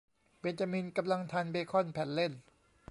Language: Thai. เบนจามินกำลังทานเบค่อนแผ่นเล่น